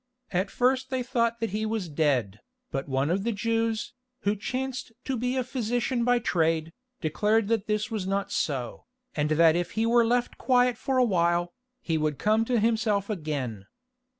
At first they thought that he was dead, but one of the Jews, who chanced to be a physician by trade, declared that this was not so, and that if he were left quiet for a while, he would come to himself again.